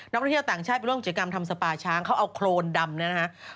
ท่องเที่ยวต่างชาติไปร่วมกิจกรรมทำสปาช้างเขาเอาโครนดำเนี่ยนะครับ